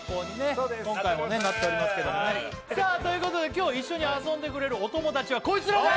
そうです今回もねなっておりますけどもねさあということで今日一緒に遊んでくれるお友達はこいつらだ！